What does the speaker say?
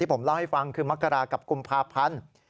ผมเล่าให้ฟังคือมกรากับกุมภาพันธ์